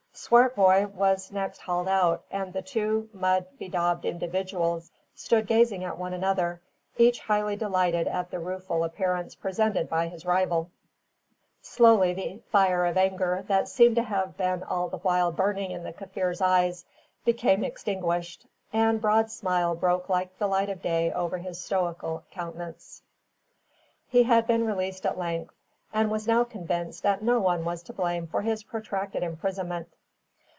Swartboy was next hauled out, and the two mud bedaubed individuals stood gazing at one another, each highly delighted at the rueful appearance presented by his rival. Slowly the fire of anger, that seemed to have all the while been burning in the Kaffir's eyes, became extinguished, and broad smile broke like the light of day over his stoical countenance. He had been released at length, and was now convinced that no one was to blame for his protracted imprisonment.